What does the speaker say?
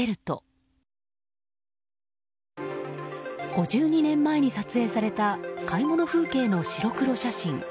５２年前に撮影された買い物風景の白黒写真。